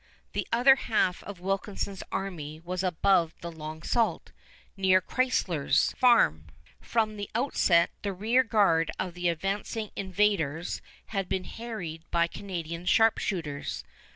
The other half of Wilkinson's army was above the Long Sault, near Chrysler's Farm. From the outset the rear guard of the advancing invaders had been harried by Canadian sharpshooters.